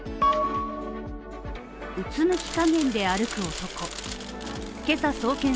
うつむき加減で歩く男